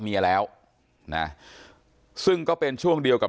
ไม่ตั้งใจครับ